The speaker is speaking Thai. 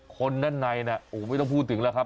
คนด้านในโอ้ไม่ต้องพูดถึงแล้วครับ